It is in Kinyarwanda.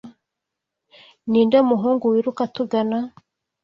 Ninde muhungu wiruka atugana?